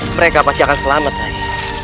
mereka pasti akan selamat lagi